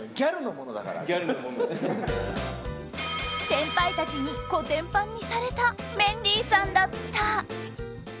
先輩たちにコテンパンにされたメンディーさんだった。